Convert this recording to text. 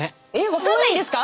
わかんないんですか？